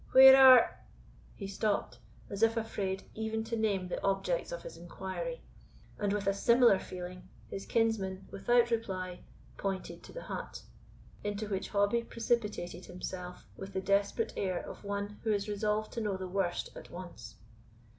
Where are " He stopped, as if afraid even to name the objects of his enquiry; and with a similar feeling, his kinsmen, without reply, pointed to the hut, into which Hobbie precipitated himself with the desperate air of one who is resolved to know the worst at once.